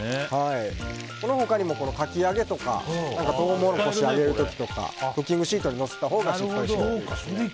この他にも、かき揚げとかトウモロコシを揚げる時とかクッキングシートにのせたほうがしっかりと。